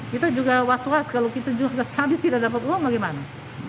kita juga was was kalau kita jual kestabil tidak dapat uang bagaimana